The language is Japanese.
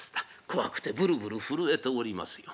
怖くてブルブル震えておりますよ。